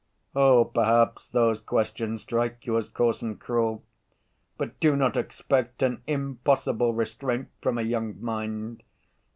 "Oh, perhaps those questions strike you as coarse and cruel, but do not expect an impossible restraint from a young mind.